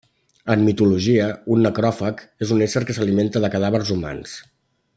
En mitologia, un necròfag és un ésser que s'alimenta de cadàvers humans.